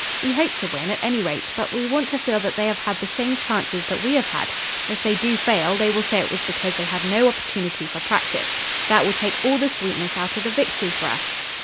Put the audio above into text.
We hope to win, at any rate, but we want to feel that they have had the same chances that we have had. If they do fail, they will say that it was because they had no opportunity for practice. That will take all the sweetness out of the victory for us."